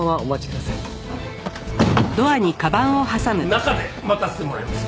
中で待たせてもらいます。